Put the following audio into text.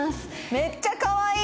めっちゃかわいい！